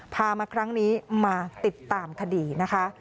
พามาครั้งนี้มาติดตามคดีนะคะ